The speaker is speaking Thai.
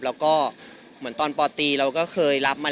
แล้วก็เหมือนตอนปตีเราก็เคยรับมา